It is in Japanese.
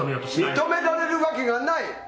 認められるわけがない。